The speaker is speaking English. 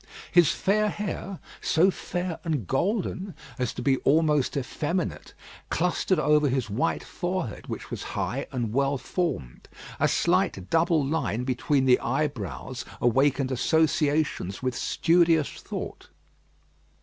His fair hair, so fair and golden as to be almost effeminate, clustered over his white forehead, which was high and well formed. A slight double line between the eyebrows awakened associations with studious thought.